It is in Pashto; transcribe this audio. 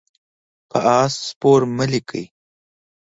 په آس سپور مه لیکئ.